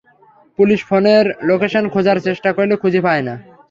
Police ফোনের location খোঁজার চেষ্টা করলে, খুঁজে পায়না।